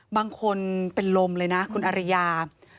บางคนเป็นลมเลยนะคุณอริยา